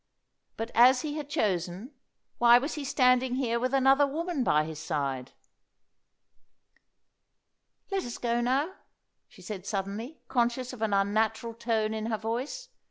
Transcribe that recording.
But, as he had chosen, why was he standing here with another woman by his side? "Let us go now," she said suddenly, conscious of an unnatural tone in her voice.